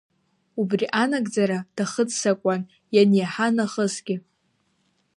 Убри анагӡара дахыццакуан ианиаҳа нахысгьы…